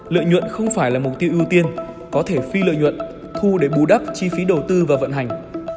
lợi nhuận không phải là mục tiêu ưu tiên có thể phi lợi nhuận thu để bù đắp chi phí đầu tư và vận hành